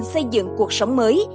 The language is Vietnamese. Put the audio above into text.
xây dựng cuộc sống mới